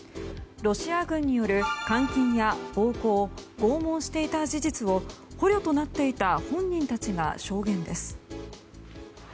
ロシア軍による監禁や暴行、拷問していた事実を捕虜となっていた本人たちが証言です。